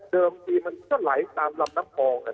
เดิมทีก็ไหลตามลำนับฐอง